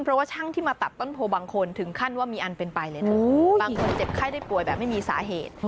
เพราะว่าช่างที่มาตัดต้นโพบางคนถึงขั้นว่ามีอันเป็นไปเลยนะบางคนเจ็บไข้ได้ป่วยแบบไม่มีสาเหตุ